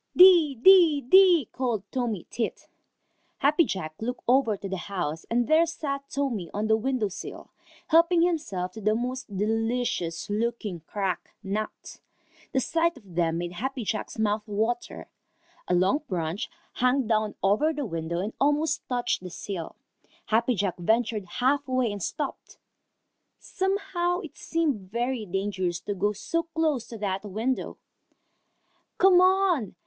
"Dee, dee, dee," called Tommy Tit. Happy Jack looked over to the house, and there sat Tommy on a window sill, helping himself to the most delicious looking cracked nuts. The sight of them made Happy Jack's mouth water. A long branch hung down over the window and almost touched the sill. Happy Jack ventured half way and stopped. Somehow it seemed very dangerous to go so close to that window. "Come on!